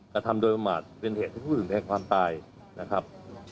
กระทำโดยประมาทเป็นเหตุผลถึงแห่งความตายนะครับ